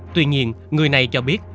tuy nhiên người này cho biết